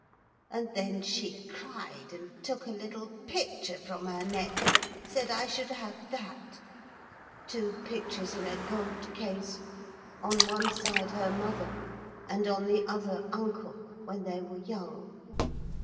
And then she cried, and took a little picture from her neck, and said I should have that; two pictures in a gold case, on one side her mother, and on the other uncle, when they were young.